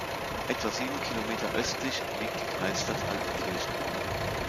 Etwa sieben Kilometer östlich liegt die Kreisstadt Altenkirchen.